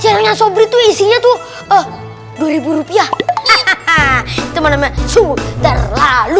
ini mana mana caranya sobritu isinya tuh rp dua hahaha teman teman sudah lalu